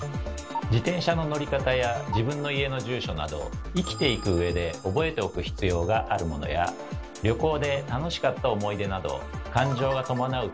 「自転車の乗り方」や「自分の家の住所」など生きていくうえで覚えておく必要があるものや「旅行で楽しかった思い出」など感情がともなう